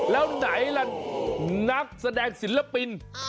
แล้วไหนล่ะนักแสดงศิลปิน